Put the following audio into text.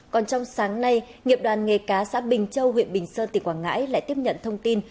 còn trong sáng nay nghiệp đoàn nghề cá xã bình châu huyện bình sơn tỉnh quảng ngãi lại tiếp nhận thông tin